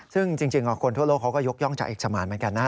ซึ่งจริงคนทั่วโลกเขาก็ยกย่องจากเอกสมานเหมือนกันนะ